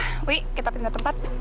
ya pak wee kita pindah tempat